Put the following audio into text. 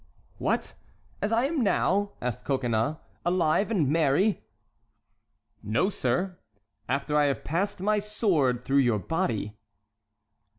"What, as I am now?" asked Coconnas, "alive and merry?" "No, sir; after I have passed my sword through your body!"